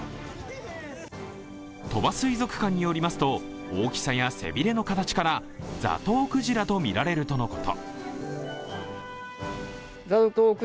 鳥羽水族館によりますと、大きさや背びれの形からザトウクジラとみられるとのこと。